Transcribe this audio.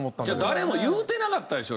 誰も言うてなかったでしょ